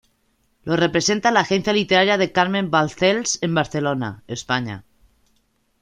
Lo representa la agencia literaria de Carmen Balcells, en Barcelona, España.